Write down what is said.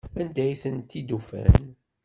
Anda ay tent-id-ufan?